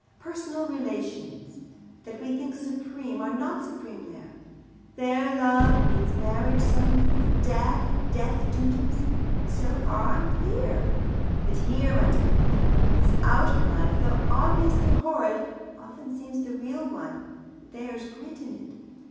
Personal relations, that we think supreme, are not supreme there. There love means marriage settlements, death, death duties. So far I'm clear. But here my difficulty. This outer life, though obviously horrid, often seems the real one there's grit in it.